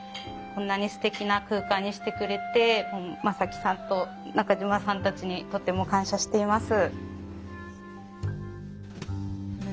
こんなにすてきな空間にしてくれて真己さんと中島さんたちにとても感謝しています。